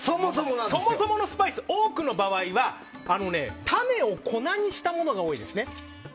スパイスは多くの場合は種を粉にしたものが多いです。